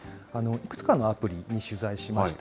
いくつかのアプリに取材しました。